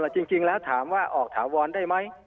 จริงแล้วถามว่าออกถาวรได้ไหม